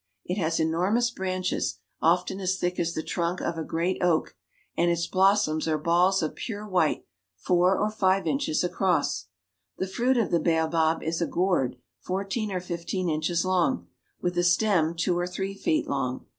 It has enormous branches, often as thick as the trunk of a great oak, and its blossoms are balls of pure white, four or five inches across. The ■ fruit of the baobab is a gourd fourteen or fifteen inches long, I with a stem two or three feet long.